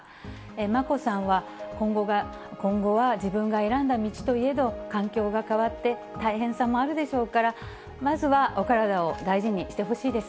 眞子さんは、今後は自分が選んだ道といえど、環境が変わって大変さもあるでしょうから、まずはお体を大事にしてほしいです。